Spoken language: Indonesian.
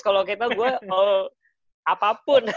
kalau kita gue mau apapun